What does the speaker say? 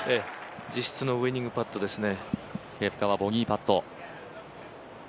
実質のウイニングパットですね。